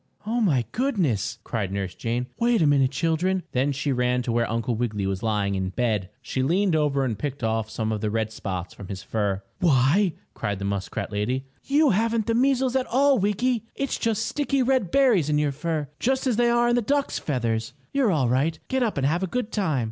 "Oh, my goodness!" cried Nurse Jane. "Wait a minute, children!" Then she ran to where Uncle Wiggily was lying in bed. She leaned over and picked off some of the red spots from his fur. "Why!" cried the muskrat lady. "You haven't the measles at all, Wiggy! It's just sticky, red berries in your fur, just as they are in the ducks' feathers. You're all right! Get up and have a good time!"